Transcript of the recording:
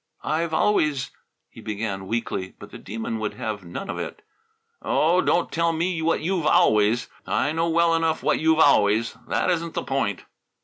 "I've always " he began weakly. But the Demon would have none of it. "Oh, don't tell me what you've 'always!' I know well enough what you've 'always.' That isn't the point."